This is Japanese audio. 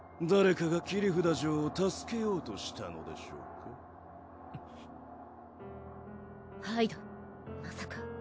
誰かが切札ジョーを助けようとしたのでしょうか？